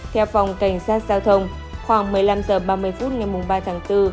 theo phòng cảnh sát giao thông khoảng một mươi năm h ba mươi phút ngày ba tháng bốn